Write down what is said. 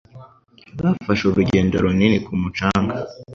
Bafashe urugendo runini ku mucanga